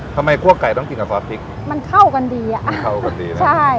คั่วไก่ต้องกินกับซอสพริกมันเข้ากันดีอ่ะเข้ากันดีนะใช่